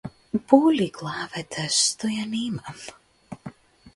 Боли главата што ја немам.